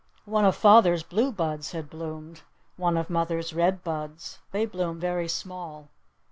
One of father's blue buds had bloomed. One of mother's red buds. They bloomed very small.